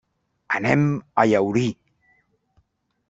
Anem a Llaurí.